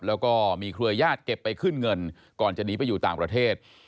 แล้วก็มีเครือญาติเก็บไปขึ้นเงินก่อนจะหนีไปอยู่ต่างประเทศ